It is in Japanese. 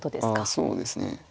あそうですね。